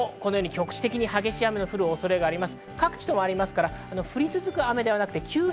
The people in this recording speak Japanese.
局地的に激しい雨が降る恐れがあります。